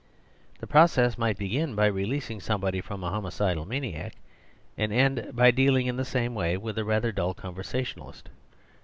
The process might begin by releas ing somebody from a homicidal maniac, and end by dealing in the same way with a rather dull conversationalist.